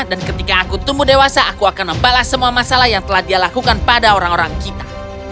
dan ketika aku tumbuh dewasa aku akan membalas semua masalah yang telah dia lakukan pada orang orang kita